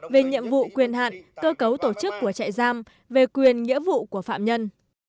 về nhiệm vụ quyền hạn cơ cấu tổ chức của trại giam về quyền nghĩa vụ của phạm nhân